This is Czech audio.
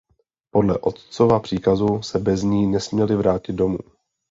Podle otcova příkazu se bez ní nesměli vrátit domů.